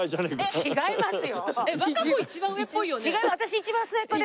違いますよ！